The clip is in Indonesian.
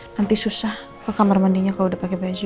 nanti susah ke kamar mandinya kalo udah pake baju